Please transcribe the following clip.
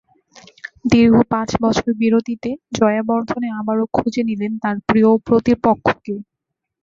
দীর্ঘ পাঁচ বছর বিরতিতে জয়াবর্ধনে আবারও খুঁজে নিলেন তাঁর প্রিয় প্রতিপক্ষকে।